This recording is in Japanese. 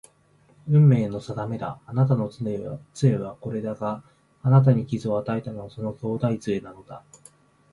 運命の定めだ。あなたの杖はこれだが、あなたに傷を与えたのはその兄弟杖なのだ